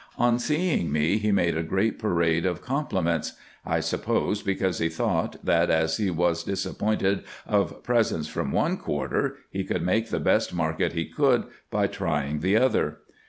On seeing me, he made a great parade of com pliments ; I suppose because he thought, that, as he was dis appointed of presents from one quarter, he would make the best market he could by trying the other.